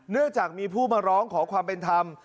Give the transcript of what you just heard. เนื่องจากมีผู้มาร้องขอความเป็นธรรม